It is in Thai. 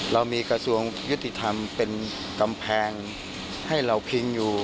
เรามีกระทรวงยุติธรรมเป็นกำแพงให้เราพิงอยู่